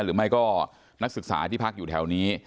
หรือไม่ก็นักศึกษาที่พักอยู่แถวนี้